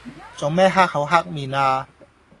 做咩黑口黑面呀？